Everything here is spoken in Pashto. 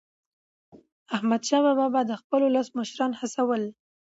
احمدشاه بابا به د خپل ولس مشران هڅول.